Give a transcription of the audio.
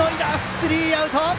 スリーアウト！